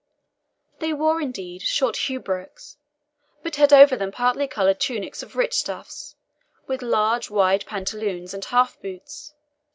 They wore, indeed, short hauberks, but had over them party coloured tunics of rich stuffs, with large wide pantaloons and half boots.